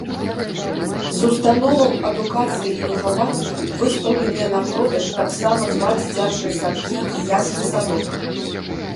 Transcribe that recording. З установаў адукацыі і выхавання выстаўленыя на продаж таксама два дзіцячыя садкі і яслі-садок.